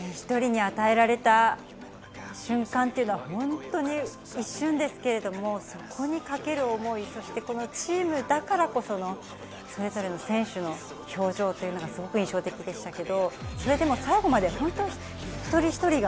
１人に与えられた瞬間っていうのは本当に一瞬ですけれども、そこにかける思い、そしてチームだからこそのそれぞれの選手の表情というのがすごく印象的でした。